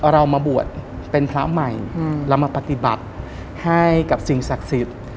เรามาบวชเป็นพระใหม่เรามาปฏิบัติให้กับสิ่งศักดิ์สิทธิ์